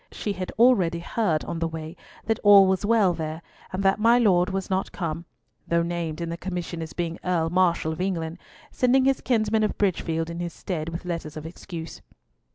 She had already heard on the way that all was well there, and that my Lord was not come, though named in the commission as being Earl Marshal of England, sending his kinsman of Bridgefield in his stead with letters of excuse.